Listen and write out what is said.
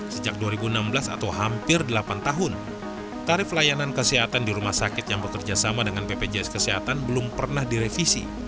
sejak dua ribu enam belas atau hampir delapan tahun tarif layanan kesehatan di rumah sakit yang bekerja sama dengan bpjs kesehatan belum pernah direvisi